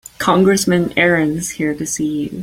Congressman Aaron is here to see you.